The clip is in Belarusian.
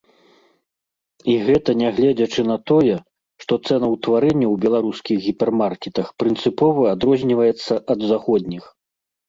І гэта нягледзячы на тое, што цэнаўтварэнне ў беларускіх гіпермаркетах прынцыпова адрозніваецца ад заходніх.